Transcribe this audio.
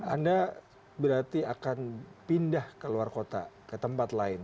anda berarti akan pindah ke luar kota ke tempat lain